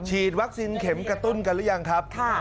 ฉีดวัคซีนเข็มกระตุ้นกันหรือยังครับ